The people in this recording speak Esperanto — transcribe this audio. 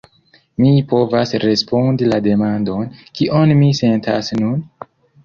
Mi povas respondi la demandon: kion mi sentas nun?